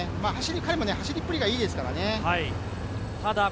彼も走りっぷりがいいですからね。